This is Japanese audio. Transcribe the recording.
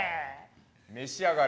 召し上がれ。